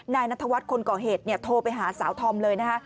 นายนัทวัฒน์คนก่อเหตุโทรไปหาสาวธอมเลยนะคะ